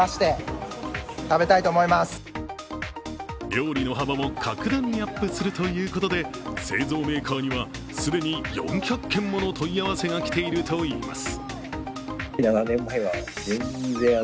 料理の幅も格段にアップするということで製造メーカーには既に４００件もの問い合わせがきているといいます。